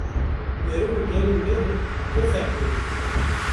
Meriv û gelên berê pir feqîr bûn